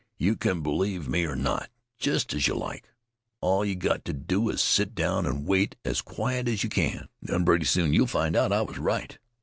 "You can believe me or not, jest as you like. All you got to do is to sit down and wait as quiet as you can. Then pretty soon you'll find out I was right."